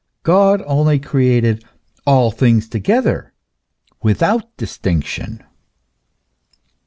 God only created all things together without distinction.